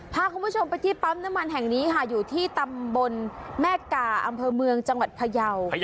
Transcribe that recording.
พาคุณผู้ชมไปที่ปั๊มน้ำมันแห่งนี้ค่ะอยู่ที่ตำบลแม่กาอำเภอเมืองจังหวัดพยาว